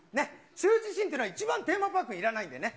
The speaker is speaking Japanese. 羞恥心っていうのは一番テーマパークいらないんでね。